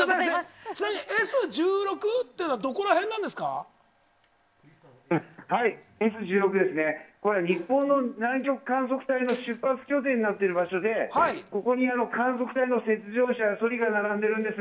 ちなみにＳ１６というのはＳ１６は、日本の南極観測隊の出発拠点になっている場所でここに観測隊の雪上車、そりが並んでるんです。